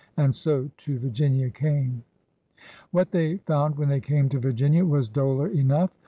And so to Virginia came ... What they found when they came to Virginia was dolor enough.